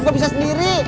gue bisa sendiri